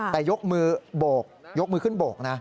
แต่ยกมือโบกยกมือขึ้นโบกนะ